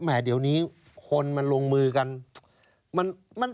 เดี๋ยวนี้คนมันลงมือกัน